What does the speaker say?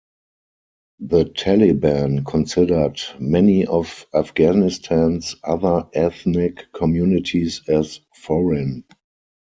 The Taliban considered many of Afghanistan's other ethnic communities as foreign.